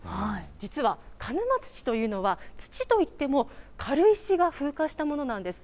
実は鹿沼土というのは、土といっても、軽石が風化したものなんです。